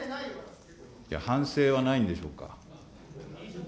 反省はないんでしょうか。